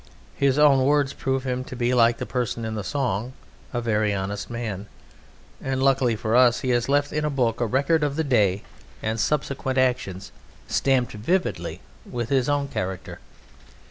His own words prove him to be like the person in the song, "a very honest man," and luckily for us he has left in a book a record of the day (and subsequent actions) stamped vividly with his own character.